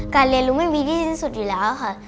เรียนรู้ไม่มีที่ที่สุดอยู่แล้วค่ะ